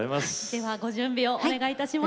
ではご準備をお願いいたします。